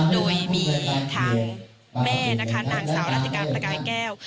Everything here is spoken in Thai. โดยมีทางแม่นะคะนางสาวราชการประกายแก้ว